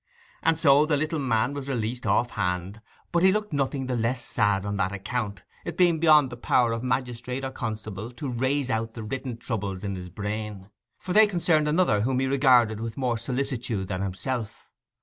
And so the little man was released off hand; but he looked nothing the less sad on that account, it being beyond the power of magistrate or constable to raze out the written troubles in his brain, for they concerned another whom he regarded with more solicitude than himself.